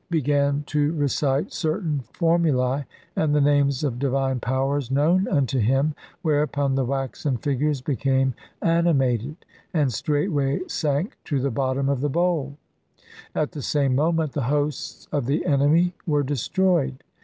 gan to recite certain formulae and the names of di vine powers known unto him, whereupon the waxen figures became animated, and straightway sank to the bottom of the bowl ; at the same moment the hosts of the enemy were destroyed.